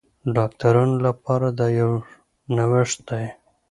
ډاکټرانو لپاره دا یو نوښت دی.